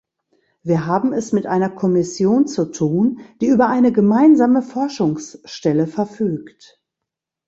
Wir haben es mit einer Kommission zu tun, die über eine gemeinsame Forschungsstelle verfügt.